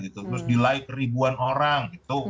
terus di like ribuan orang